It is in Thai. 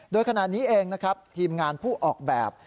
โดยขณะนี้เองนะครับทีมงานผู้ออกแบบ